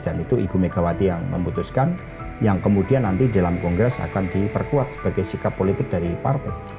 dan itu ibu megawati yang memutuskan yang kemudian nanti dalam kongres akan diperkuat sebagai sikap politik dari partai